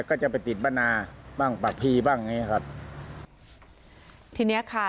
ของอำเภอเมืองและอำเภอบรรนาที่ติดกัน